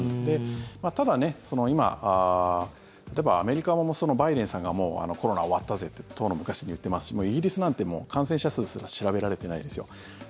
ただ、今、例えばアメリカもバイデンさんがもうコロナは終わったぜってとうの昔に言ってますしイギリスなんて感染者数すら調べられてないですよ。